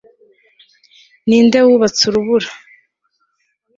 ninde wubatse urubura